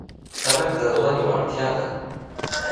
سړک د ژوند یو اړتیا ده.